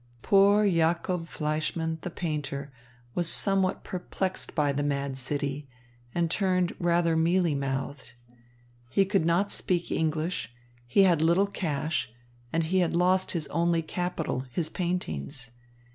Poor Jacob Fleischmann, the painter, was somewhat perplexed by the mad city, and turned rather mealy mouthed. He could not speak English, he had little cash, and he had lost his only capital, his paintings.